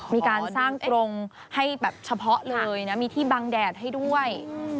มีการสร้างกรงให้แบบเฉพาะเลยนะมีที่บังแดดให้ด้วย